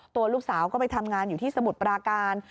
ตัวลูกสาวก็ไปทำงานอยู่ที่สมุทรปราการ